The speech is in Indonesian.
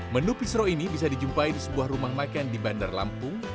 menu pisro ini bisa dijumpai di sebuah rumah makan di bandar lampung